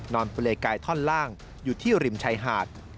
เปลยกายท่อนล่างอยู่ที่ริมชายหาด